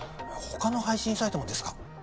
他の配信サイトもですか？